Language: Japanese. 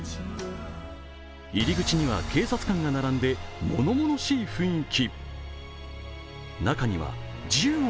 入り口には警察官が並んで物々しい雰囲気。